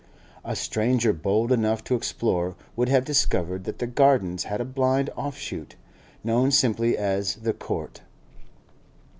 A stranger bold enough to explore would have discovered that the Gardens had a blind offshoot, known simply as 'The Court.